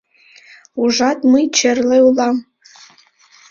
Ужат, мый черле улам!